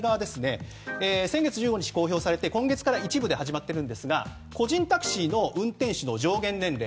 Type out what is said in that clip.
先月１５日に公表されて今月から一部で始まっているんですが個人タクシーの運転手の上限年齢